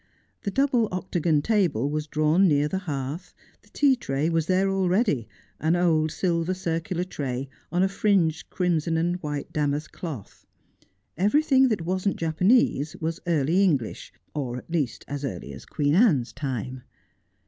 The double octagon table was drawn near the hearth, the tea tray was there already, an old silver circular tray, on a fringed crimson and white damask cloth. Everything that wasn't Japanese was early English, or at least as early as Queen Anne's time.